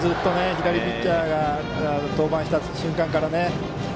左ピッチャーが登板した瞬間から。